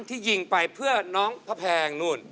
ที่ยิงไปเพื่อน้องพระแพงนู่น